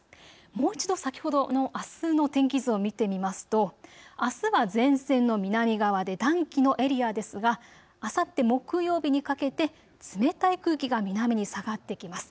もう一度、先ほどのあすの天気図を見てみますとあすは前線の南側で暖気のエリアですがあさって木曜日にかけて冷たい空気が南に下がってきます。